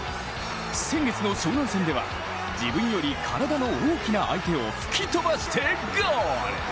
先月の湘南戦では、自分より体の大きな相手を吹き飛ばしてゴール。